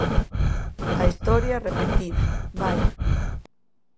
A historia repetida, vaia.